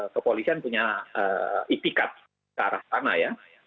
kepolisian punya itikat ke arah sana ya